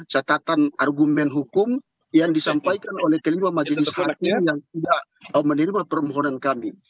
catatan argumen hukum yang disampaikan oleh kelima majelis hakim yang tidak menerima permohonan kami